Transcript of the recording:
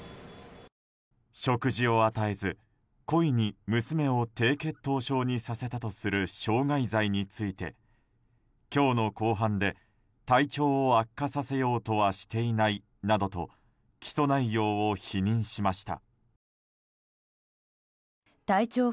食事を与えず、故意に娘を低血糖症にさせたとする傷害罪について今日の公判で体調を悪化させようとはしていないなどと起訴内容を否認しました。